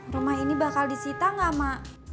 rumah ini bakal disita ga ma